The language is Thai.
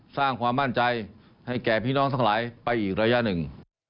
สร้างความมั่นใจให้แก่พี่น้องทั้งหลายไปอีกระยะหนึ่ง